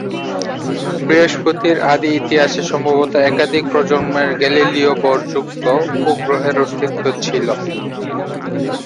বৃহস্পতির আদি ইতিহাসে সম্ভবত একাধিক প্রজন্মের গ্যালিলীয়-ভরযুক্ত উপগ্রহের অস্তিত্ব ছিল।